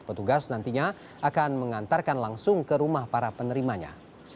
petugas nantinya akan mengantarkan langsung ke rumah para penerimanya